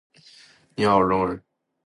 你好，我是中国人。